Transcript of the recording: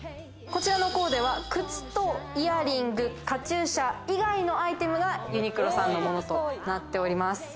こちらのコーデは靴とイヤリング、カチューシャ以外のアイテムがユニクロさんのものとなっております。